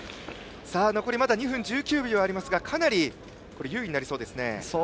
残り、まだ２分１９秒ありますがかなり有利になりそうですね。